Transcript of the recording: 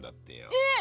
えっ！？